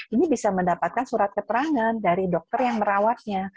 ini bisa mendapatkan surat keterangan dari dokter yang merawatnya